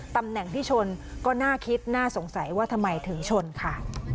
ตำแหน่งที่ชนก็น่าคิดน่าสงสัยว่าทำไมถึงชนค่ะ